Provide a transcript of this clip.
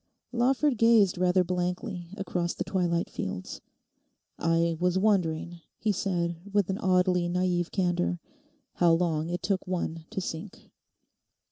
Lawford gazed rather blankly across the twilight fields. 'I was wondering,' he said with an oddly naive candour, 'how long it took one to sink.